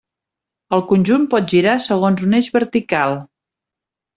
El conjunt pot girar segons un eix vertical.